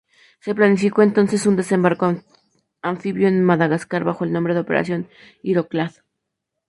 Se planificó entonces un desembarco anfibio en Madagascar, bajo el nombre de operación Ironclad.